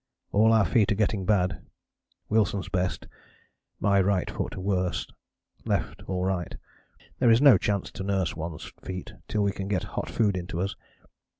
All our feet are getting bad Wilson's best, my right foot worse, left all right. There is no chance to nurse one's feet till we can get hot food into us.